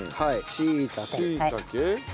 しいたけ。